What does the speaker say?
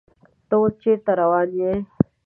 ته اوس چیرته روان یې؟